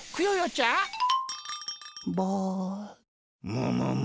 むむむ。